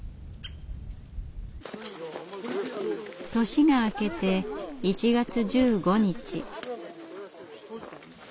年が明けて１月１５日。